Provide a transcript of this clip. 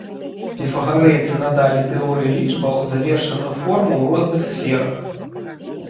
Піфагарэйцы надалі тэорыі лічбаў завершаную форму ў розных сферах.